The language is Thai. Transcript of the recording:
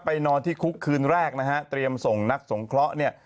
ไปนอนที่คุกคืนแรกตรียมส่งสงครับ